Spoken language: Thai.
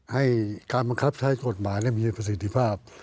ให้การบังคับใช้กฎหมายมีประสิทธิภาพ